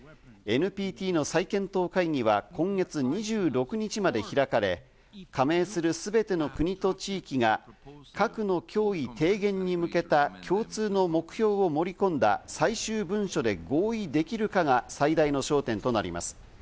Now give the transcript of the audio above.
ＮＰＴの再検討会議は今月２６日まで開かれ、加盟するすべての国と地域が核の脅威低減に向けた共通の目標を盛り込んだ最終文書で合意できるかが最大の焦点となります。